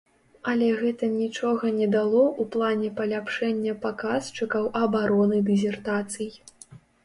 Але гэта нічога не дало ў плане паляпшэння паказчыкаў абароны дысертацый.